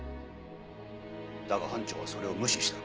だが班長はそれを無視した。